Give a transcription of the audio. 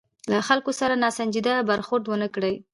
له خلکو سره ناسنجیده برخورد ونه کړي.